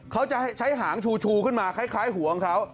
เขาจะใช้หางชูขึ้นมาคล้ายหัวของเขา